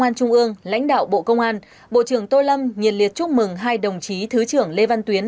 an trung ương lãnh đạo bộ công an bộ trưởng tô lâm nhiệt liệt chúc mừng hai đồng chí thứ trưởng lê văn tuyến